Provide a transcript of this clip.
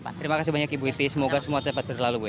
terima kasih banyak ibu iti semoga semua tepat berkelalu ya